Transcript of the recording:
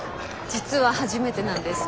実は初めてなんです。